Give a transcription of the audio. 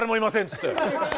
つって。